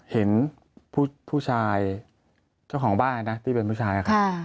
เห็นผู้ชายเจ้าของบ้านนะที่เป็นผู้ชายค่ะ